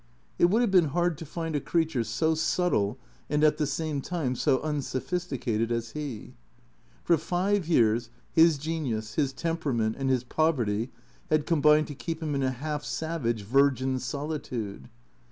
It would have been hard to find a creature so subtle and at the same time so unsophisticated as he. For five years his genius, his temperament and his poverty had combined to keep him in a half savage virgin solitude.